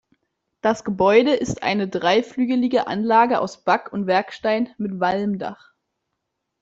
Das Gebäude ist eine dreiflügelige Anlage aus Back- und Werkstein mit Walmdach.